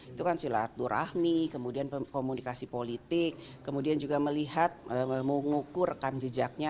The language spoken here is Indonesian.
itu kan silaturahmi kemudian komunikasi politik kemudian juga melihat mengukur rekam jejaknya